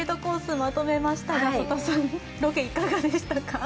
まとめましたが、曽田さん、ロケいかがでしたか？